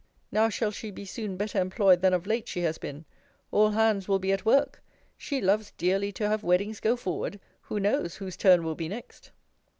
Now shall she be soon better employed than of late she has been. All hands will be at work. She loves dearly to have weddings go forward! Who knows, whose turn will be next?